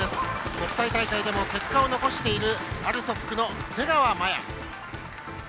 国際大会でも結果を残しているＡＬＳＯＫの瀬川麻優。